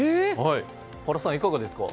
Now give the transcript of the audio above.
原さん、いかがですか？